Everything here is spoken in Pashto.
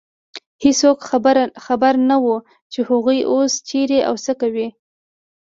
هېڅوک خبر نه و، چې هغوی اوس چېرې او څه کوي.